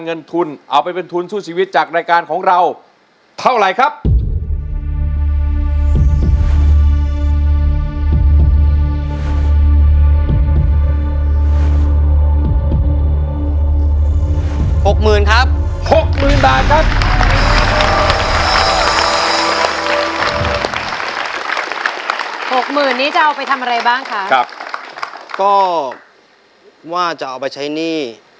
หกหมื่นนี้จะเอาไปทำอะไรบ้างคะก็ว่าจะเอาไปใช้หนี้